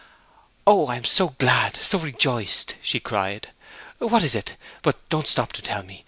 'Oh, I am so glad so rejoiced!' she cried. 'What is it? But don't stop to tell me.